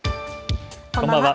こんばんは。